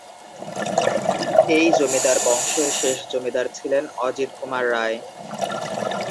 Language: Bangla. এই জমিদার বংশের শেষ জমিদার ছিলেন অজিত কুমার রায়।